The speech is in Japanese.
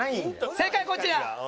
正解こちら。